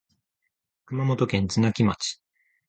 熊本県津奈木町